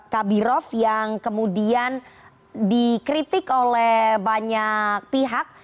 kabirov yang kemudian dikritik oleh banyak pihak